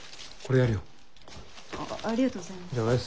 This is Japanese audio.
ありがとうございます。